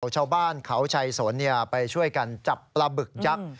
โดยชาวบ้านเขาชัยสนเนี่ยไปช่วยกันจับประบึกยักษ์